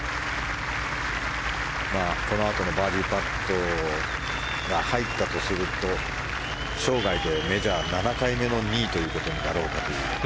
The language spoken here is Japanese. このあとのバーディーパットが入ったとすると生涯でメジャー７回目の２位ということになろうかという。